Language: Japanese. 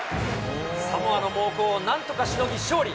サモアの猛攻をなんとかしのぎ勝利。